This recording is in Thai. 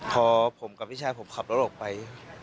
พอผมกับพี่ชายผมขับรถออกไป